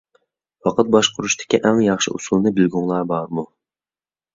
ۋاقىت باشقۇرۇشتىكى ئەڭ ياخشى ئۇسۇلنى بىلگۈڭلار بارمۇ؟